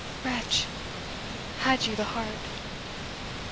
"Wretch! had you the heart?"